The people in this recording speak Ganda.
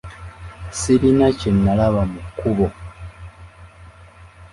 Sirina kye nalaba mu kkubo.